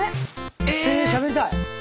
えしゃべりたい。